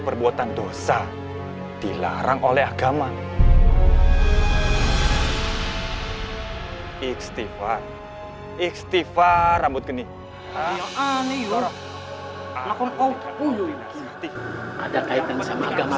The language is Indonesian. perbuatan dosa dilarang oleh agama ixtivar ixtivar rambut genih ada kaitan sama agama